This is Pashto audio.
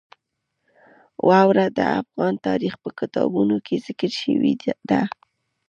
واوره د افغان تاریخ په کتابونو کې ذکر شوې ده.